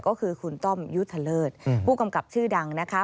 ก็คือคุณต้อมยุทธเลิศผู้กำกับชื่อดังนะคะ